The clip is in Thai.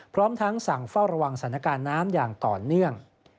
พร้อมทั้งสั่งเฝ้าระวังสถานการณ์น้ำอย่างต่อเนื่อง